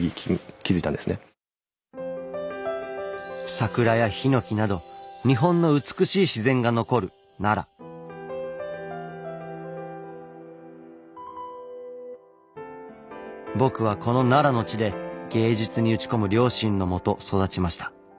桜や檜など日本の美しい自然が残る僕はこの奈良の地で芸術に打ち込む両親のもと育ちました。